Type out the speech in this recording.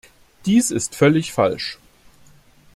Dies ist völlig falsch.